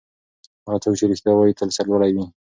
هغه څوک چې رښتیا وايي تل سرلوړی وي.